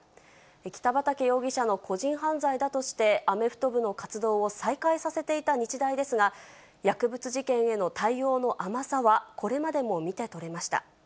北畠容疑者の個人犯罪だとしてアメフト部の活動を再開させていた日大ですが、薬物事件への対応の甘さはこれまでも見て取れました。